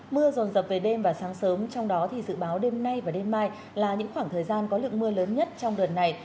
mưa rồn rập về đêm và sáng sớm trong đó thì dự báo đêm nay và đêm mai là những khoảng thời gian có lượng mưa lớn nhất trong đợt này